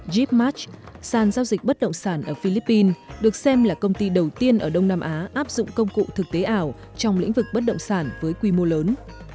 zip martch sàn giao dịch bất động sản ở philippines được xem là công ty đầu tiên ở đông nam á áp dụng công cụ thực tế ảo trong lĩnh vực bất động sản với quy mô lớn